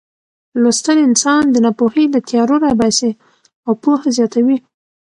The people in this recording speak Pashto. لوستل انسان د ناپوهۍ له تیارو راباسي او پوهه زیاتوي.